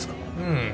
うん。